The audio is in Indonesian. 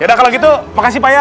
beda kalau gitu makasih pak ya